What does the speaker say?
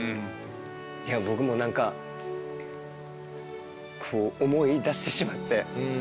いや僕もなんかこう思い出してしまって。